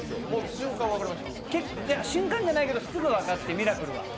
瞬間じゃないけど、すぐ分かって、ミラクルは。